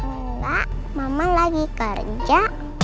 enggak mama lagi kerja